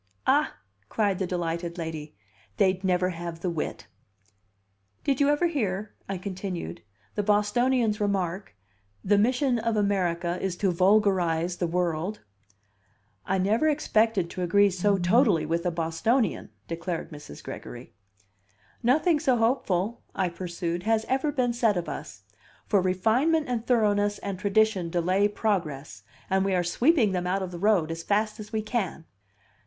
"Ah!" cried the delighted lady, "they'd never have the wit!" "Did you ever hear," I continued, "the Bostonian's remark 'The mission of America is to vulgarize the world'?" "I never expected to agree so totally with a Bostonian!" declared Mrs. Gregory. "Nothing so hopeful," I pursued, "has ever been said of us. For refinement and thoroughness and tradition delay progress, and we are sweeping them out of the road as fast as we can."